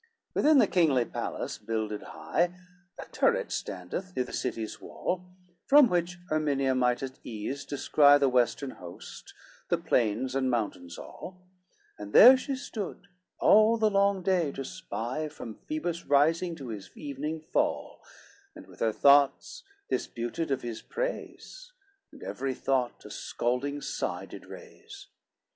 LXII Within the kingly palace builded high, A turret standeth near the city's wall, From which Erminia might at ease descry The western host, the plains and mountains all, And there she stood all the long day to spy, From Phoebus' rising to his evening fall, And with her thoughts disputed of his praise, And every thought a scalding sigh did raise.